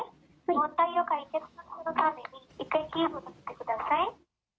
問題を解決するために、一回キーボード見てください。